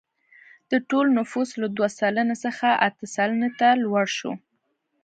د ټول نفوس له دوه سلنې څخه اته سلنې ته لوړ شو.